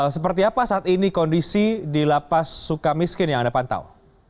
seperti apa saat ini kondisi di lapas suka miskin yang anda pantau